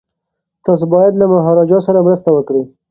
تاسي باید له مهاراجا سره مرسته وکړئ.